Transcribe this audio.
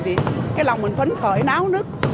thì cái lòng mình phấn khởi náo nứt